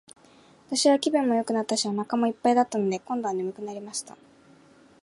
私は気分もよくなったし、お腹も一ぱいだったので、今度は睡くなりました。